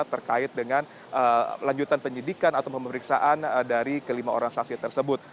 terkait dengan lanjutan penyidikan atau pemeriksaan dari kelima orang saksi tersebut